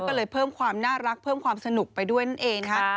ก็เลยเพิ่มความน่ารักเพิ่มความสนุกไปด้วยนั่นเองนะคะ